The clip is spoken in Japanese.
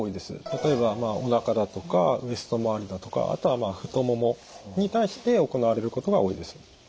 例えばおなかだとかウエスト周りだとかあとは太ももに対して行われることが多いです。